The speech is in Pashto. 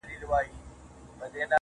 زه چي سهار له خوبه پاڅېږمه.